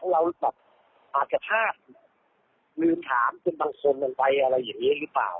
ของเราแบบอาจจะลืมถามกันบางคนมันไปอะไรอย่างนี้หรือเปล่า